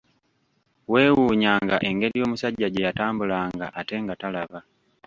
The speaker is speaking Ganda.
Weewuunyanga engeri omusajja gye yatambulanga ate nga talaba!